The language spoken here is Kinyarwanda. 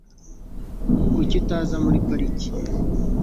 Kuki utaza muri pariki?